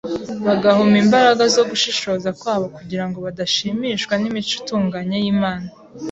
bagahuma imbaraga zo gushishoza kwabo kugira ngo badashimishwa n’imico itunganye y’Imana